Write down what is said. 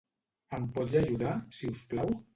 Em pots ajudar, si us plau?